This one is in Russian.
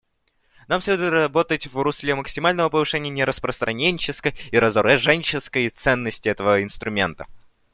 Нам следует работать в русле максимального повышения нераспространенческой и разоруженческой ценности этого инструмента.